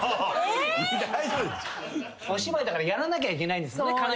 お芝居だからやらなきゃいけないんですもんね。